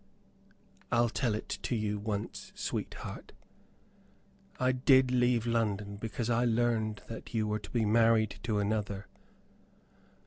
"I'll tell it to you once, sweetheart. I did leave London because I learned that you were to be married to another.